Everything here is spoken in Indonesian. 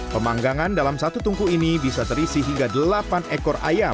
pemanggangan dalam satu tungku ini bisa terisi hingga delapan ekor ayam